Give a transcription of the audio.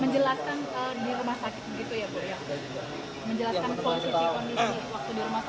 menjelaskan di rumah sakit begitu ya bu ya